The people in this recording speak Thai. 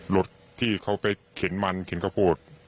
รถที่เขาไปเข็นมันเข็นข้าวโพด